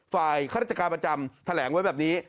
ข้าราชการประจำแถลงไว้แบบนี้